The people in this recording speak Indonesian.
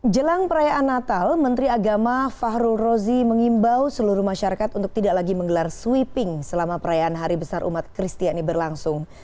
jelang perayaan natal menteri agama fahrul rozi mengimbau seluruh masyarakat untuk tidak lagi menggelar sweeping selama perayaan hari besar umat kristiani berlangsung